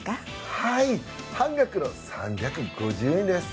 はい、半額の３５０円です。